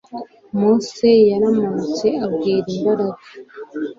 mose yaramanutse abwira imbaga